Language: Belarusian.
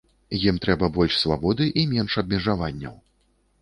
Ім трэба больш свабоды і менш абмежаванняў.